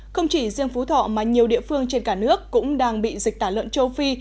không chỉ riêng phú thọ mà nhiều địa phương trên cả nước cũng đang bị dịch tả lợn châu phi